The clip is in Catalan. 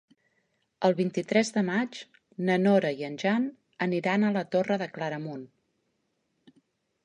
El vint-i-tres de maig na Nora i en Jan aniran a la Torre de Claramunt.